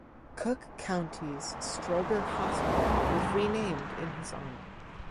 Cook County's Stroger Hospital was renamed in his honor.